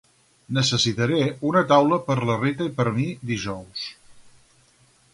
Necessitaré una taula per la Rita i per a mi dijous.